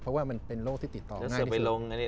เพราะว่ามันเป็นโรคที่ติดต่อง่าย